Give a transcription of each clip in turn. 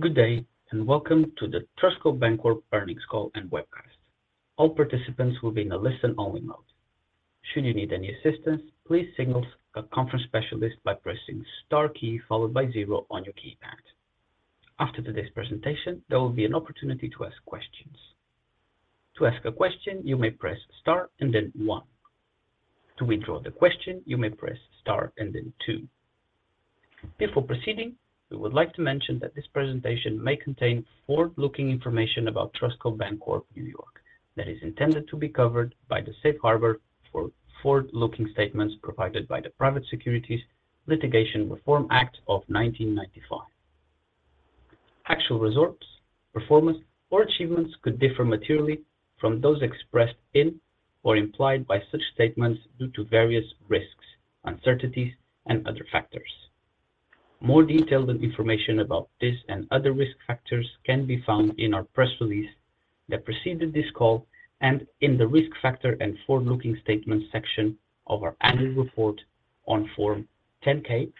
Good day, welcome to the TrustCo Bancorp Earnings Call and Webcast. All participants will be in a listen-only mode. Should you need any assistance, please signal a conference specialist by pressing star zero on your keypad. After today's presentation, there will be an opportunity to ask questions. To ask a question, you may press star one. To withdraw the question, you may press star two. Before proceeding, we would like to mention that this presentation may contain forward-looking information about TrustCo Bancorp, New York that is intended to be covered by the safe harbor for forward-looking statements provided by the Private Securities Litigation Reform Act of 1995. Actual results, performance, or achievements could differ materially from those expressed in or implied by such statements due to various risks, uncertainties, and other factors. More detailed information about this and other risk factors can be found in our press release that preceded this call and in the risk factor and forward-looking statements section of our annual report on Form 10-K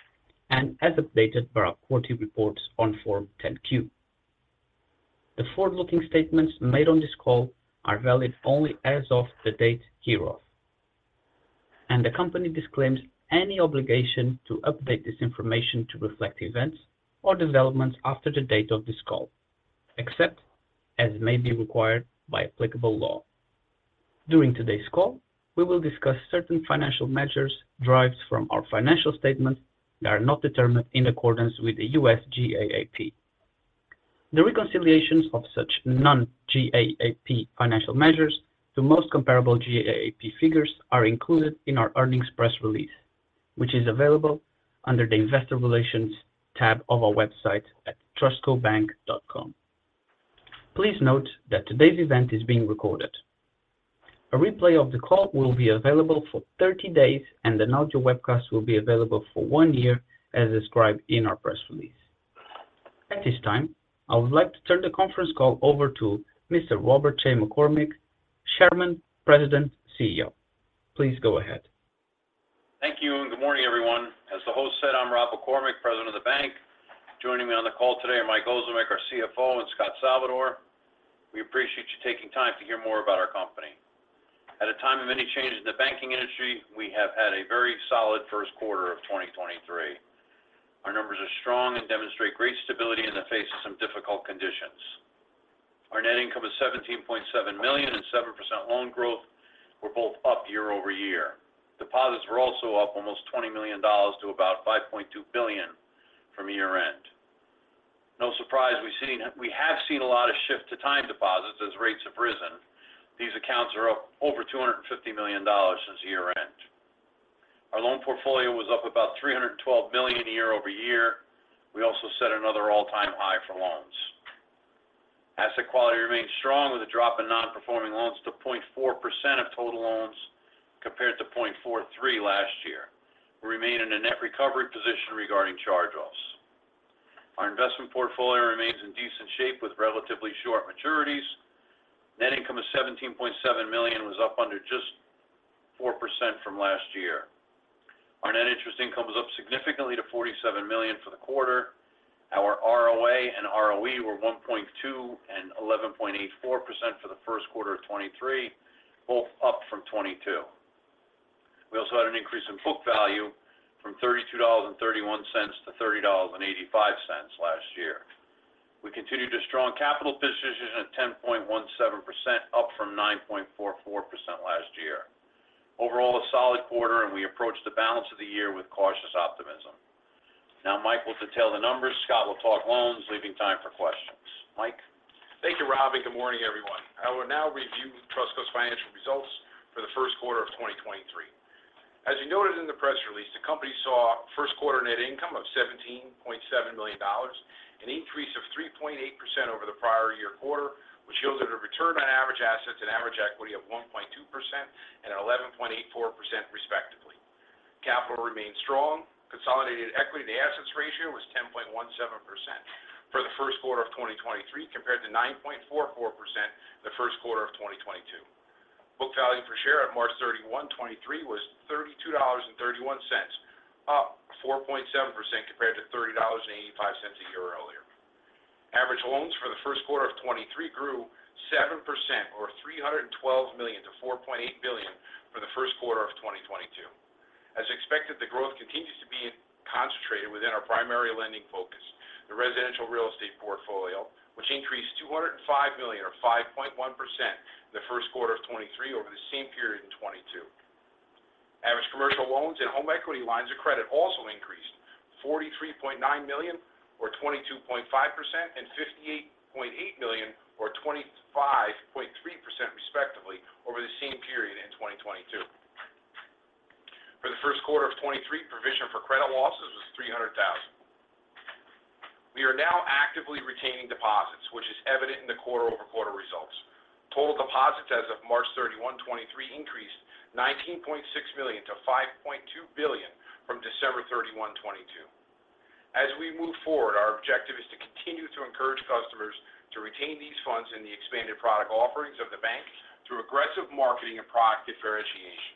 and as updated by our quarterly reports on Form 10-Q. The forward-looking statements made on this call are valid only as of the date hereof, and the company disclaims any obligation to update this information to reflect events or developments after the date of this call, except as may be required by applicable law. During today's call, we will discuss certain financial measures derived from our financial statements that are not determined in accordance with the U.S. GAAP. The reconciliations of such non-GAAP financial measures to most comparable GAAP figures are included in our earnings press release, which is available under the Investor Relations tab of our website at trustcobank.com. Please note that today's event is being recorded. A replay of the call will be available for 30 days, and an audio webcast will be available for one year as described in our press release. At this time, I would like to turn the conference call over to Mr. Robert J. McCormick, Chairman, President, CEO. Please go ahead. Thank you. Good morning, everyone. As the host said, I'm Rob McCormick, President of the bank. Joining me on the call today are Mike Ozimek, our CFO, and Scot Salvador. We appreciate you taking time to hear more about our company. At a time of many changes in the banking industry, we have had a very solid first quarter of 2023. Our numbers are strong and demonstrate great stability in the face of some difficult conditions. Our net income is $17.7 million and 7% loan growth were both up year-over-year. Deposits were also up almost $20 million to about $5.2 billion from year-end. No surprise we have seen a lot of shift to time deposits as rates have risen. These accounts are up over $250 million since year-end. Our loan portfolio was up about $312 million year-over-year. We also set another all-time high for loans. Asset quality remains strong with a drop in non-performing loans to 0.4% of total loans, compared to 0.43% last year. We remain in a net recovery position regarding charge-offs. Our investment portfolio remains in decent shape with relatively short maturities. Net income of $17.7 million was up under just 4% from last year. Our net interest income was up significantly to $47 million for the quarter. Our ROA and ROE were 1.2% and 11.84% for the first quarter of 2023, both up from 2022. We also had an increase in book value from $32.31 to $30.85 last year. We continued a strong capital position at 10.17%, up from 9.44% last year. Overall, a solid quarter. We approach the balance of the year with cautious optimism. Now Mike will detail the numbers, Scot will talk loans, leaving time for questions. Mike? Thank you, Rob, and good morning, everyone. I will now review Trustco's financial results for the first quarter of 2023. As you noted in the press release, the company saw first quarter net income of $17.7 million, an increase of 3.8% over the prior year quarter, which shows that a return on average assets and average equity of 1.2% and 11.84% respectively. Capital remains strong. Consolidated equity to assets ratio was 10.17% for the first quarter of 2023, compared to 9.44% the first quarter of 2022. Book value per share at March 31, 2023 was $32.31, up 4.7% compared to $30.85 a year earlier. Average loans for the first quarter of 2023 grew 7% or $312 million to $4.8 billion for the first quarter of 2022. As expected, the growth continues to be concentrated within our primary lending focus, the residential real estate portfolio, which increased $205 million or 5.1% the first quarter of 2023 over the same period in 2022. Average commercial loans and home equity lines of credit also increased $43.9 million or 22.5% and $58.8 million or 25.3% respectively over the same period in 2022. For the first quarter of 2023, provision for credit losses was $300,000. We are now actively retaining deposits, which is evident in the quarter-over-quarter results. Total deposits as of March 31, 2023 increased $19.6 million to $5.2 billion from December 31, 2022. As we move forward, our objective is to continue to encourage customers to retain these funds in the expanded product offerings of the bank through aggressive marketing and product differentiation.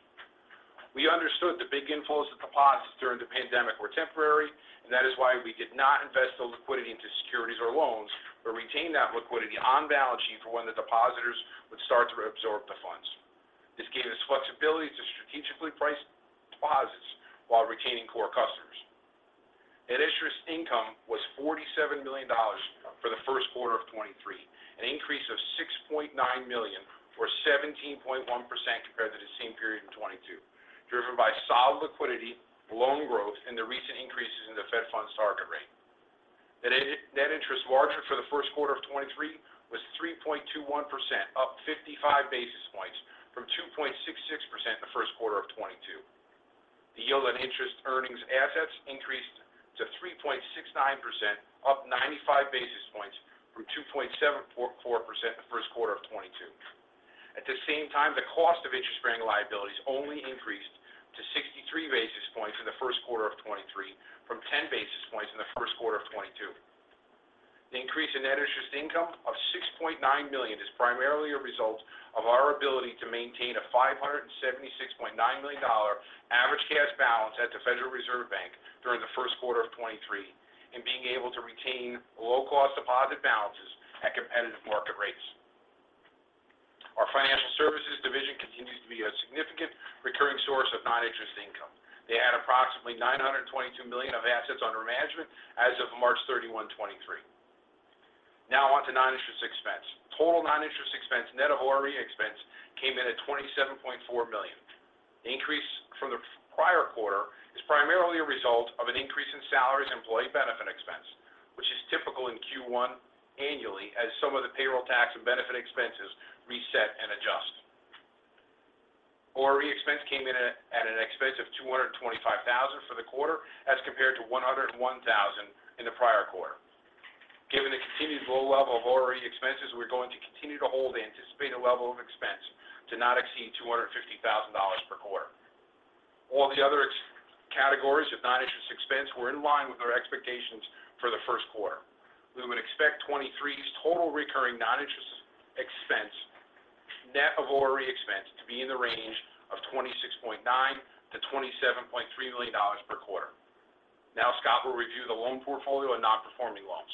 We understood the big inflows of deposits during the pandemic were temporary, and that is why we did not invest the liquidity into securities or loans, but retained that liquidity on balance sheet for when the depositors would start to reabsorb the funds. This gave us flexibility to strategically price deposits while retaining core customers. Net interest income was $47 million for the first quarter of 2023, an increase of $6.9 million, or 17.1% compared to the same period in 2022, driven by solid liquidity, loan growth, and the recent increases in the Fed funds target rate. The net interest margin for the first quarter of 2023 was 3.21%, up 55 basis points from 2.66% in the first quarter of 2022. The yield on interest earnings assets increased to 3.69%, up 95 basis points from 2.74% in the first quarter of 2022. The cost of interest-bearing liabilities only increased to 63 basis points in the first quarter of 2023 from 10 basis points in the first quarter of 2022. The increase in net interest income of $6.9 million is primarily a result of our ability to maintain a $576.9 million average cash balance at the Federal Reserve Bank during the first quarter of 2023, and being able to retain low-cost deposit balances at competitive market rates. Our financial services division continues to be a significant recurring source of non-interest income. They had approximately $922 million of assets under management as of March 31, 2023. On to non-interest expense. Total non-interest expense, net of ORE expense, came in at $27.4 million. The increase from the prior quarter is primarily a result of an increase in salaries and employee benefit expense, which is typical in Q1 annually as some of the payroll tax and benefit expenses reset and adjust. ORE expense came in at an expense of $225,000 for the quarter as compared to $101,000 in the prior quarter. Given the continued low level of ORE expenses, we're going to continue to hold the anticipated level of expense to not exceed $250,000 per quarter. All the other categories of non-interest expense were in line with our expectations for the first quarter. We would expect 2023's total recurring non-interest expense, net of ORE expense, to be in the range of $26.9 million-$27.3 million per quarter. Scot will review the loan portfolio and non-performing loans.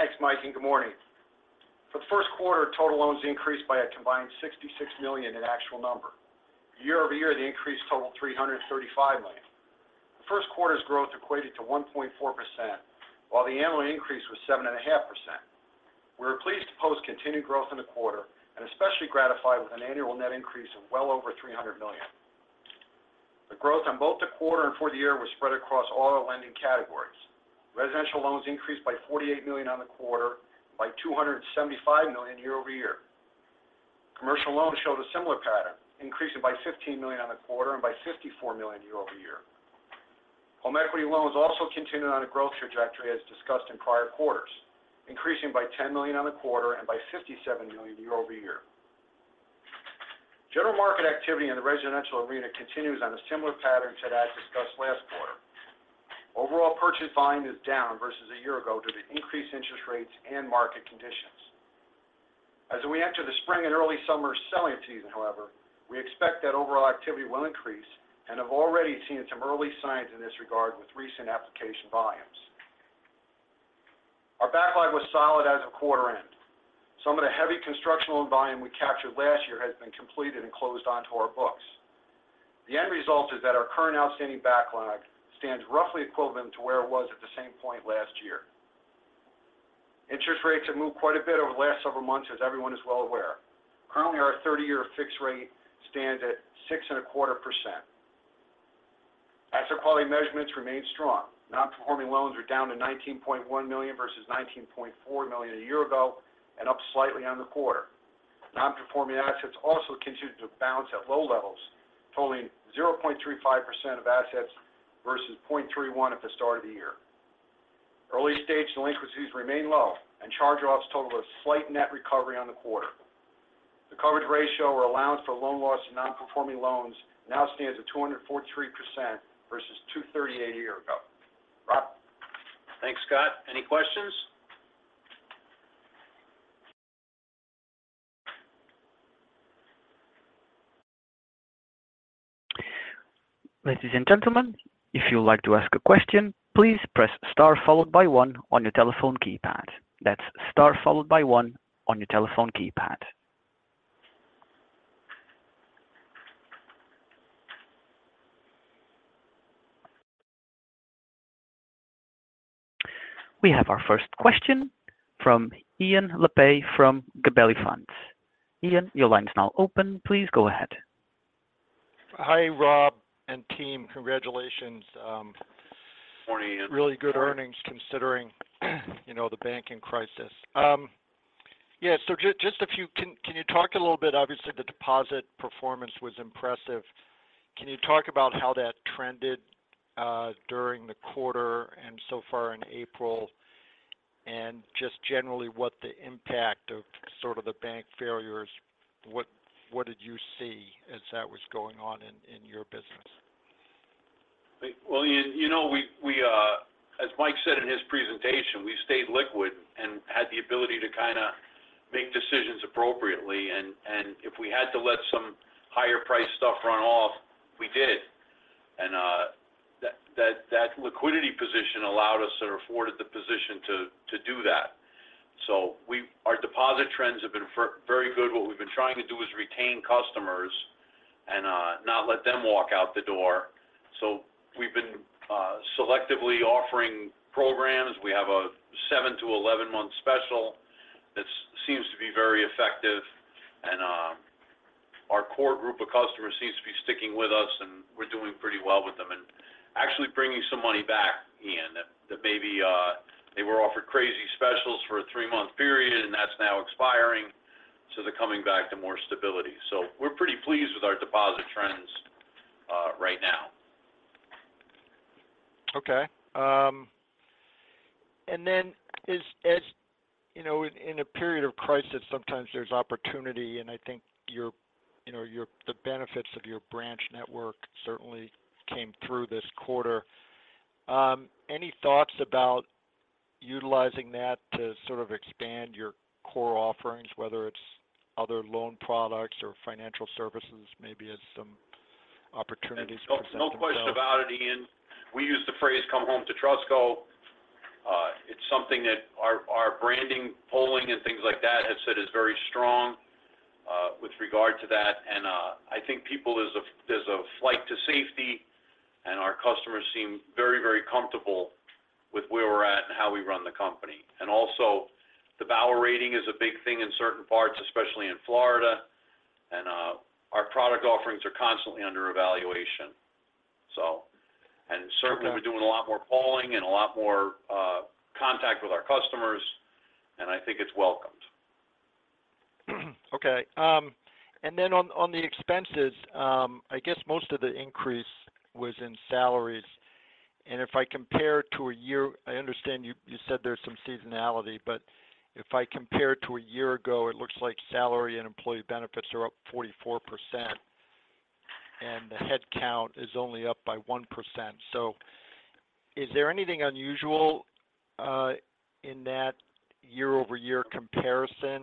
Thanks, Mike. Good morning. For the first quarter, total loans increased by a combined $66 million in actual number. Year-over-year, the increase totaled $335 million. The first quarter's growth equated to 1.4%, while the annual increase was 7.5%. We were pleased to post continued growth in the quarter and especially gratified with an annual net increase of well over $300 million. The growth on both the quarter and for the year was spread across all our lending categories. Residential loans increased by $48 million on the quarter, by $275 million year-over-year. Commercial loans showed a similar pattern, increasing by $15 million on the quarter and by $54 million year-over-year. Home equity loans also continued on a growth trajectory as discussed in prior quarters, increasing by $10 million on the quarter and by $57 million year-over-year. General market activity in the residential arena continues on a similar pattern to that discussed last quarter. Overall purchase volume is down versus a year ago due to increased interest rates and market conditions. As we enter the spring and early summer selling season, however, we expect that overall activity will increase and have already seen some early signs in this regard with recent application volumes. Our backlog was solid as of quarter end. Some of the heavy construction loan volume we captured last year has been completed and closed onto our books. The end result is that our current outstanding backlog stands roughly equivalent to where it was at the same point last year. Interest rates have moved quite a bit over the last several months, as everyone is well aware. Currently, our 30-year fixed rate stands at 6.25%. Asset quality measurements remain strong. Non-performing loans are down to $19.1 million versus $19.4 million a year ago and up slightly on the quarter. Non-performing assets also continued to bounce at low levels, totaling 0.35% of assets versus 0.31% at the start of the year. Early-stage delinquencies remain low and charge-offs total a slight net recovery on the quarter. The coverage ratio or allowance for loan losses and non-performing loans now stands at 243% versus 238% a year ago. Rob? Thanks, Scot. Any questions? Ladies and gentlemen, if you would like to ask a question, please press star followed by one on your telephone keypad. That's star followed by one on your telephone keypad. We have our first question from Ian Lapey from Gabelli Funds. Ian, your line is now open. Please go ahead. Hi, Rob and team. Congratulations. Morning. Really good earnings considering, you know, the banking crisis. Yeah. Can you talk a little bit? Obviously, the deposit performance was impressive. Can you talk about how that trended during the quarter and so far in April? Just generally, what the impact of sort of the bank failures what did you see as that was going on in your business? Well, you know, we, as Mike said in his presentation, we stayed liquid and had the ability to kind of make decisions appropriately. If we had to let some higher price stuff run off, we did. That, that liquidity position allowed us or afforded the position to do that. Our deposit trends have been very good. What we've been trying to do is retain customers and not let them walk out the door. We've been selectively offering programs. We have a seven to 11 month special that seems to be very effective. Our core group of customers seems to be sticking with us, and we're doing pretty well with them. Actually bringing some money back, Ian, that maybe, they were offered crazy specials for a three-month period, and that's now expiring, so they're coming back to more stability. We're pretty pleased with our deposit trends, right now. Okay. As, as, you know, in a period of crisis, sometimes there's opportunity, and I think you know, the benefits of your branch network certainly came through this quarter. Any thoughts about utilizing that to sort of expand your core offerings, whether it's other loan products or financial services, maybe as some opportunities to-? No, no question about it, Ian. We use the phrase, "Come home to Trustco." It's something that our branding, polling and things like that has said is very strong with regard to that. I think people as a flight to safety, and our customers seem very, very comfortable with where we're at and how we run the company. Also, the Bauer rating is a big thing in certain parts, especially in Florida. Our product offerings are constantly under evaluation. Certainly, we're doing a lot more polling and a lot more contact with our customers, and I think it's welcomed. Okay. on the expenses, I guess most of the increase was in salaries. I understand you said there's some seasonality, but if I compare to a year ago, it looks like salary and employee benefits are up 44%, and the headcount is only up by 1%. Is there anything unusual in that year-over-year comparison?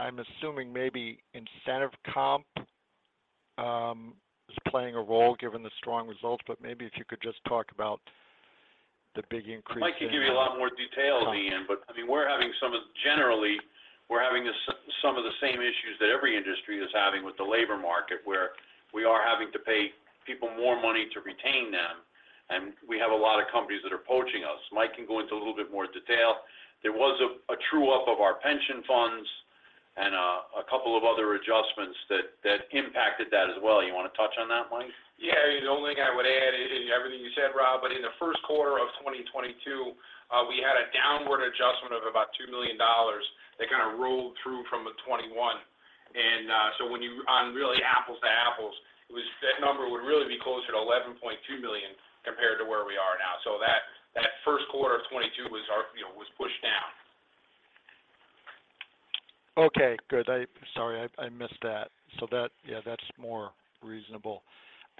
I'm assuming maybe incentive comp is playing a role given the strong results, but maybe if you could just talk about the big increase in- Mike can give you a lot more detail, Ian. I mean, we're having generally, some of the same issues that every industry is having with the labor market, where we are having to pay people more money to retain them. We have a lot of companies that are poaching us. Mike can go into a little bit more detail. There was a true-up of our pension funds and a couple of other adjustments that impacted that as well. You wanna touch on that, Mike? Yeah. The only thing I would add is, everything you said, Rob, but in the first quarter of 2022, we had a downward adjustment of about $2 million that kind of rolled through from 2021. When on really apples-to-apples, that number would really be closer to $11.2 million compared to where we are now. That, that first quarter of 2022 was our, you know, was pushed down. Okay, good. Sorry, I missed that. That. Yeah, that's more reasonable.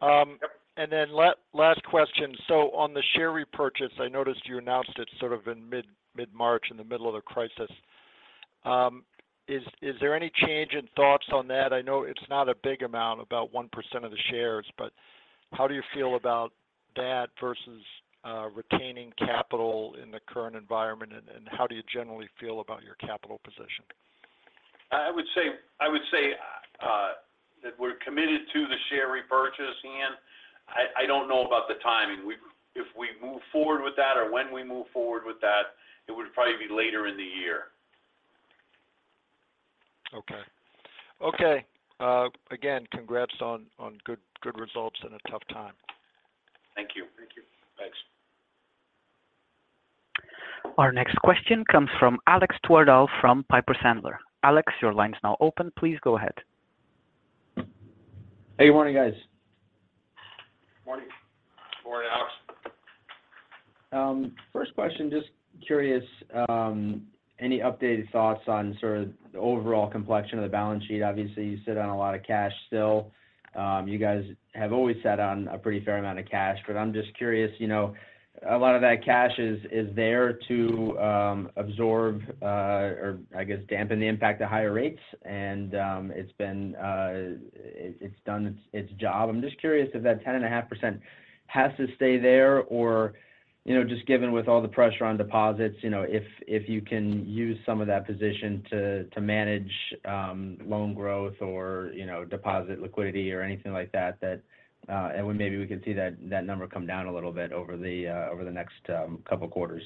Yep. Then last question. on the share repurchase, I noticed you announced it sort of in mid-March, in the middle of the crisis. is there any change in thoughts on that? I know it's not a big amount, about 1% of the shares, but how do you feel about that versus retaining capital in the current environment? how do you generally feel about your capital position? I would say that we're committed to the share repurchase, Ian. I don't know about the timing. If we move forward with that or when we move forward with that, it would probably be later in the year. Okay. Okay. Again, congrats on good results in a tough time. Thank you. Thank you. Thanks. Our next question comes from Alexander Twerdahl from Piper Sandler. Alex, your line's now open. Please go ahead. Hey, good morning, guys. Morning. Morning, Alex. First question, just curious, any updated thoughts on sort of the overall complexion of the balance sheet? Obviously, you sit on a lot of cash still. You guys have always sat on a pretty fair amount of cash. I'm just curious, you know, a lot of that cash is there to absorb or I guess dampen the impact of higher rates. It's been. It's done its job. I'm just curious if that 10.5% has to stay there or, you know, just given with all the pressure on deposits, you know, if you can use some of that position to manage loan growth or, you know, deposit liquidity or anything like that. Maybe we can see that number come down a little bit over the over the next couple quarters.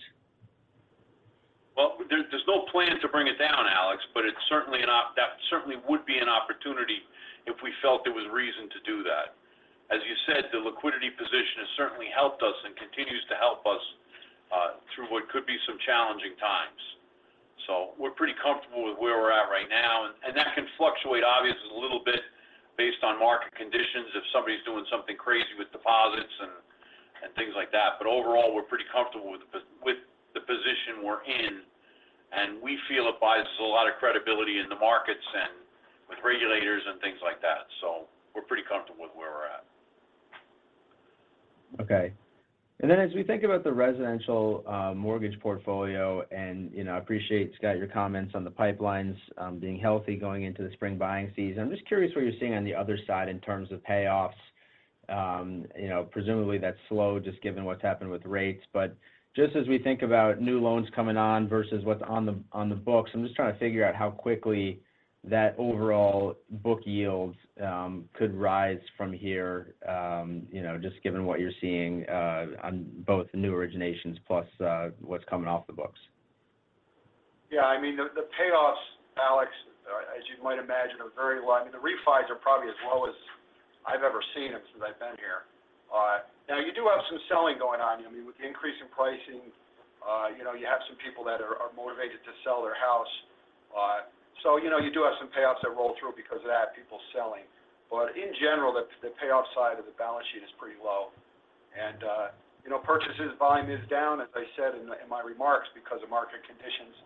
Well, there's no plan to bring it down, Alex, but it's certainly would be an opportunity if we felt there was reason to do that. As you said, the liquidity position has certainly helped us and continues to help us through what could be some challenging times. We're pretty comfortable with where we're at right now. That can fluctuate obviously a little bit based on market conditions if somebody's doing something crazy with deposits and things like that. Overall, we're pretty comfortable with the position we're in. We feel it buys us a lot of credibility in the markets and with regulators and things like that. We're pretty comfortable with where we're at. Okay. And then as we think about the residential mortgage portfolio, and, you know, I appreciate, Scot, your comments on the pipelines being healthy going into the spring buying season. I'm just curious what you're seeing on the other side in terms of payoffs. You know, presumably that's slow just given what's happened with rates. But just as we think about new loans coming on versus what's on the books, I'm just trying to figure out how quickly that overall book yields could rise from here, you know, just given what you're seeing on both the new originations plus what's coming off the books. I mean, the payoffs, Alex, as you might imagine, are very low. I mean, the refis are probably as low as I've ever seen them since I've been here. Now you do have some selling going on. I mean, with the increase in pricing, you know, you have some people that are motivated to sell their house. You know, you do have some payoffs that roll through because of that, people selling. In general, the payoff side of the balance sheet is pretty low. You know, purchases volume is down, as I said in my remarks because of market conditions.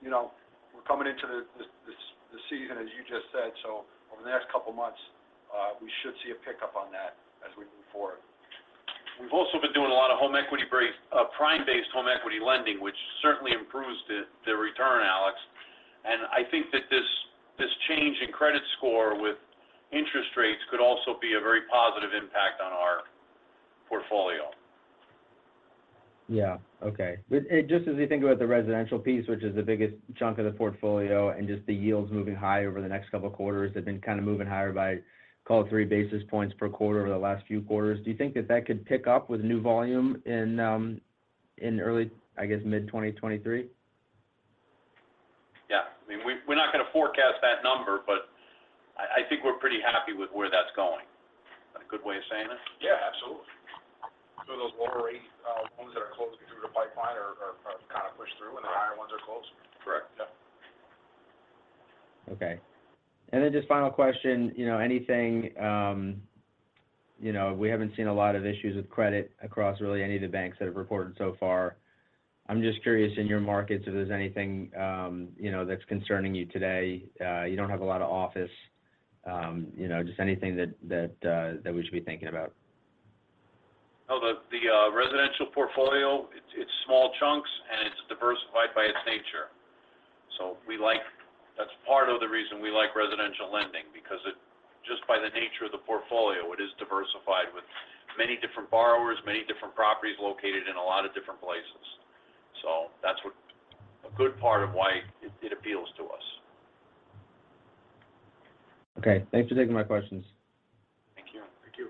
You know, we're coming into the season as you just said, over the next couple of months, we should see a pickup on that as we move forward. We've also been doing a lot of home equity... prime-based home equity lending, which certainly improves the return, Alex. I think that this change in credit score with interest rates could also be a very positive impact on our portfolio. Yeah. Okay. Just as you think about the residential piece, which is the biggest chunk of the portfolio, and just the yields moving higher over the next couple of quarters. They've been kind of moving higher by call it 3 basis points per quarter over the last few quarters. Do you think that that could pick up with new volume in early, I guess, mid-2023? Yeah. I mean, we're not gonna forecast that number, but I think we're pretty happy with where that's going. Is that a good way of saying it? Yeah, absolutely. Those lower rate loans that are closing through the pipeline are kinda pushed through and the higher ones are closed. Correct. Yeah. Okay. Just final question. You know, anything, you know, we haven't seen a lot of issues with credit across really any of the banks that have reported so far. I'm just curious in your markets if there's anything, you know, that's concerning you today. You don't have a lot of office, you know, just anything that we should be thinking about. No. The residential portfolio, it's small chunks, and it's diversified by its nature. That's part of the reason we like residential lending because just by the nature of the portfolio, it is diversified with many different borrowers, many different properties located in a lot of different places. That's what a good part of why it appeals to us. Okay. Thanks for taking my questions. Thank you. Thank you.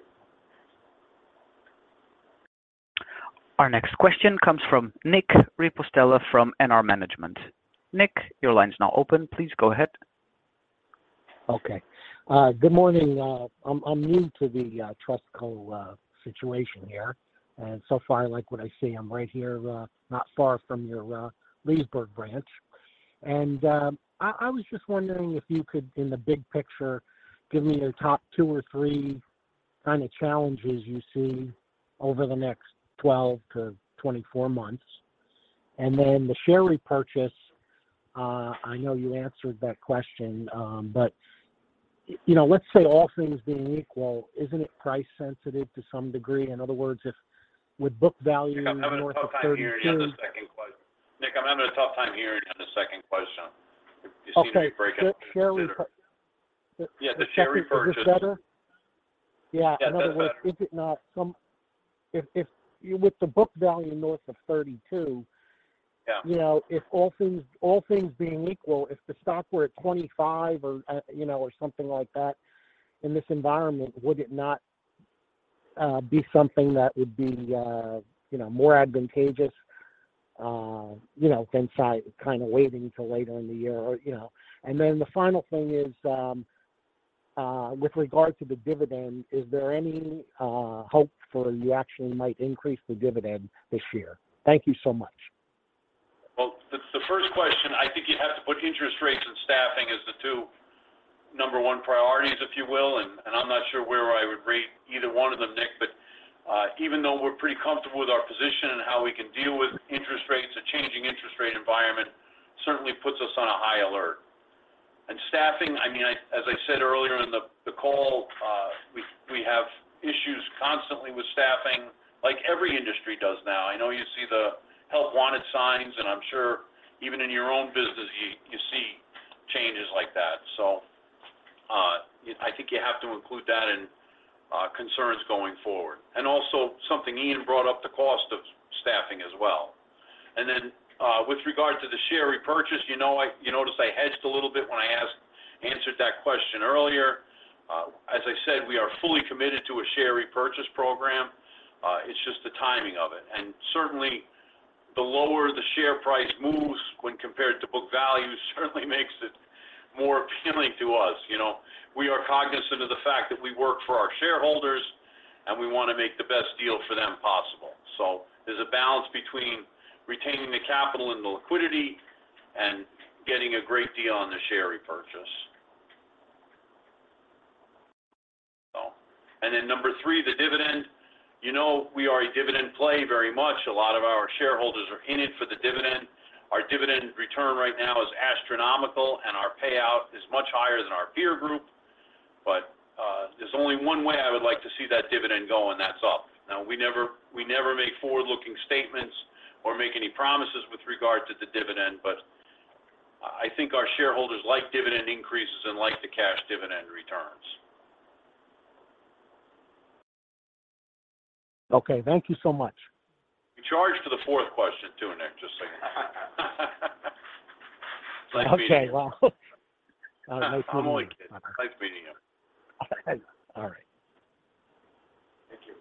Our next question comes from Nick Ripostella from NR Management. Nick, your line is now open. Please go ahead. Okay. Good morning. I'm new to the TrustCo situation here, and so far, I like what I see. I'm right here, not far from your Leesburg branch. I was just wondering if you could, in the big picture, give me your top two or three kind of challenges you see over the next 12 to 24 months. The share repurchase, I know you answered that question, you know, let's say all things being equal, isn't it price sensitive to some degree? In other words, if with book value- Nick, I'm having a tough time hearing you on the second question. You seem to be breaking up a bit there. Okay. Share repur- Yeah, the share repurchase. Is this better? Yeah. Yeah, that's better. In other words, is it not if with the book value north of 32? Yeah. You know, if all things being equal, if the stock were at $25 or, you know, or something like that in this environment, would it not be something that would be, you know, more advantageous, you know, than kind of waiting till later in the year or, you know? The final thing is, with regard to the dividend, is there any hope for you actually might increase the dividend this year? Thank you so much. Well, the first question, I think you have to put interest rates and staffing as the two number one priorities, if you will. I'm not sure where I would rate either one of them, Nick. Even though we're pretty comfortable with our position and how we can deal with interest rates, a changing interest rate environment certainly puts us on a high alert. Staffing, I mean, as I said earlier in the call, we have issues constantly with staffing like every industry does now. I know you see the help wanted signs, and I'm sure even in your own business you see changes like that. I think you have to include that in concerns going forward. Also something Ian brought up, the cost of staffing as well. With regard to the share repurchase, you know, you noticed I hedged a little bit when I answered that question earlier. As I said, we are fully committed to a share repurchase program. It's just the timing of it. Certainly the lower the share price moves when compared to book value certainly makes it more appealing to us. You know. We are cognizant of the fact that we work for our shareholders, and we want to make the best deal for them possible. There's a balance between retaining the capital and the liquidity and getting a great deal on the share repurchase. Number three, the dividend. You know, we are a dividend play very much. A lot of our shareholders are in it for the dividend. Our dividend return right now is astronomical, and our payout is much higher than our peer group. There's only one way I would like to see that dividend go, and that's up. We never make forward-looking statements or make any promises with regard to the dividend, but I think our shareholders like dividend increases and like the cash dividend returns. Okay. Thank you so much. We charge for the fourth question too, Nick. Just saying. Okay. Well, nice meeting you. I'm only kidding. Nice meeting you. All right. Thank you.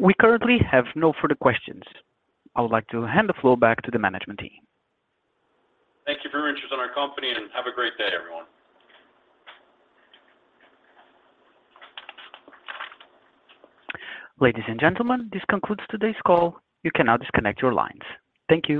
We currently have no further questions. I would like to hand the floor back to the management team. Thank you for your interest in our company, and have a great day, everyone. Ladies and gentlemen, this concludes today's call. You can now disconnect your lines. Thank you.